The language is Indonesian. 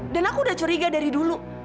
dan aku udah curiga dari dulu